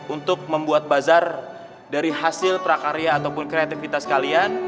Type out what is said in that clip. untuk membuat bazar dari hasil prakarya ataupun kreativitas kalian